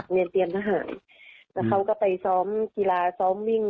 เรียนเตรียมทหารแล้วเขาก็ไปซ้อมกีฬาซ้อมวิ่ง